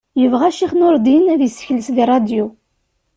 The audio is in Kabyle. Yebγa Ccix Nuṛdin a-t-yessekles di ṛṛadyu.